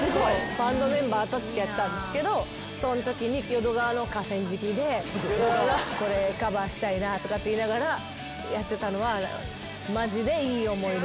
バンドメンバーと付き合ってたんですけどそんときに淀川の河川敷で。とかって言いながらやってたのはマジでいい思い出。